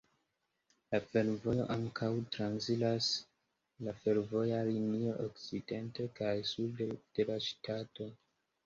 La fervojo ankaŭ transiras la fervoja linio okcidente kaj sude de la ŝtato.